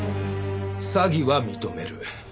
詐欺は認める。